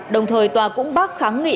đồng thời tòa cũng bác kháng nghị